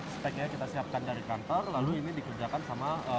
speknya kita siapkan dari kantor lalu ini dikerjakan sama